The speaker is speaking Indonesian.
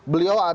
beliau ada fakta